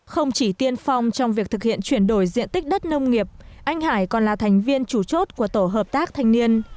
không chỉ tiên phong trong việc thực hiện chuyển đổi diện tích đất nông nghiệp anh hải còn là thành viên chủ chốt của tổ hợp tác thanh niên